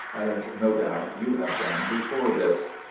as no doubt you have all done before this."